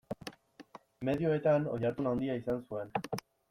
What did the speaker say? Medioetan oihartzun handia izan zuen.